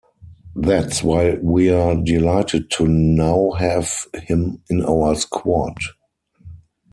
That's why we're delighted to now have him in our squad.